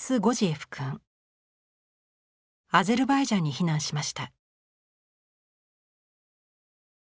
アゼルバイジャンに避難しました。